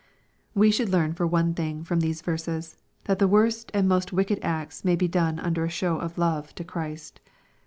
We should learn, for one thing, from these verses, that the worst and most wicked acts may be doneunder a show of love to Christ.